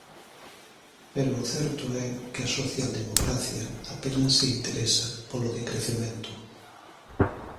Pero o certo é que a socialdemocracia apenas se interesa polo decrecemento.